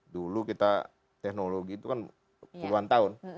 dulu kita teknologi itu kan puluhan tahun